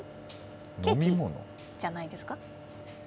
ケーキじゃないですか？